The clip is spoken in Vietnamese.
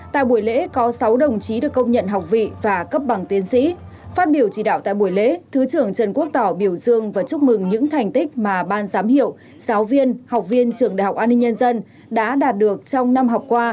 tại buổi lễ có sáu đồng chí được công nhận học vị và cấp bằng tiến sĩ phát biểu chỉ đạo tại buổi lễ thứ trưởng trần quốc tỏ biểu dương và chúc mừng những thành tích mà ban giám hiệu giáo viên học viên trường đại học an ninh nhân dân đã đạt được trong năm học qua